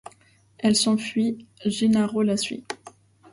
Elle s’enfuit, Gennaro la suit.